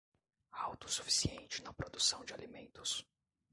Autossuficiente na produção de alimentos